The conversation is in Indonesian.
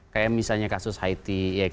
kayak misalnya kasus haiti